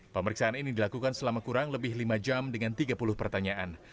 pemeriksaan ini dilakukan selama kurang lebih lima jam dengan tiga puluh pertanyaan